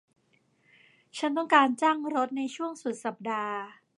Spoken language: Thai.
ฉันต้องการจ้างรถในช่วงสุดสัปดาห์